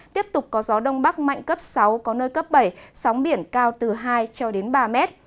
tiếp tục có gió đông bắc mạnh cấp sáu có nơi cấp bảy sóng biển cao từ hai ba m